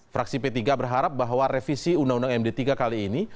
fraksi p tiga berharap bahwa revisi undang undang md tiga kali ini